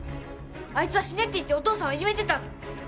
あいつは「死ね」って言ってお父さんをいじめてたんだ！